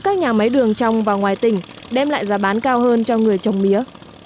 các nhà máy đường trong và ngoài tỉnh đem lại giá bán cao hơn cho người trồng mía